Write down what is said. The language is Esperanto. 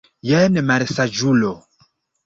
Jen, malsaĝulo!